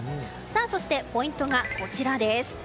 そして、ポイントがこちらです。